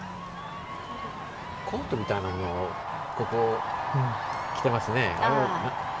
コートみたいなものを国王、着ていますね。